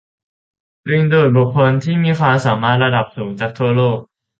ดึงดูดบุคคลที่มีความสามารถระดับสูงจากทั่วโลก